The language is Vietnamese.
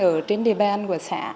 ở trên địa bàn của xã